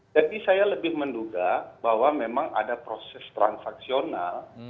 saya lebih menduga bahwa memang ada proses transaksional